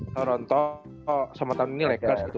toronto sama tahun ini lakers gitu